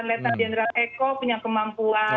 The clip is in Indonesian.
lieutenant general eko punya kemampuan ya